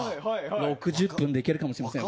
６０分でいけるかもしれません。